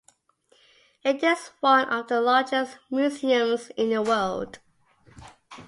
It is one of the largest museums in the world.